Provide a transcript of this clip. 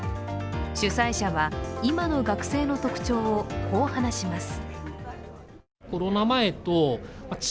主催者は今の学生の特徴を、こう話します。